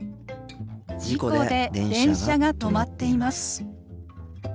「事故で電車が止まっています」。